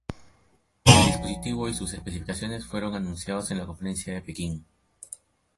El dispositivo y sus especificaciones fueron anunciados en la conferencia de Pekín.